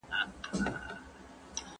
په کڅوڼي کي مي یو څو نوي پېنسلونه ایښي وو.